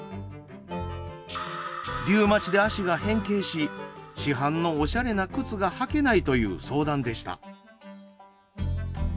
リウマチで足が変形し市販のおしゃれな靴が履けないという相談でした。